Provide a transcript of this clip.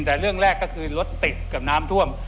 แต่เรื่องแรกก็คือรถติดกับน้ำท่วม